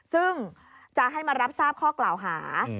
ซึ่งจะให้มารับทราบข้อกล่าวหา